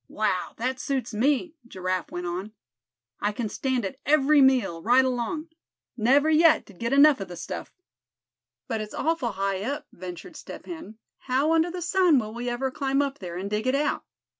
"Wow! that suits me," Giraffe went on; "I can stand it every meal, right along. Never yet did get enough of the stuff." "But it's awful high up," ventured Step Hen. "How under the sun will we ever climb up there, and dig it out?"